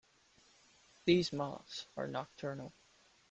These moths are nocturnal.